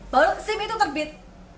baru sim itu terbit